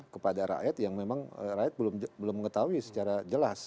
kepada rakyat yang memang rakyat belum mengetahui secara jelas